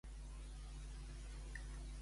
Què és necessari per a Elisenda?